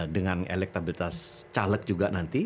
dengan elektabilitas caleg juga nanti